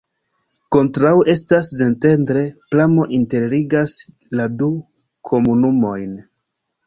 Kontraŭe estas Szentendre, pramo interligas la du komunumojn.